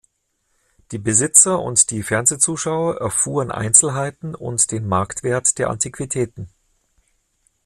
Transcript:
Die Besitzer und die Fernsehzuschauer erfuhren Einzelheiten und den Marktwert der Antiquitäten.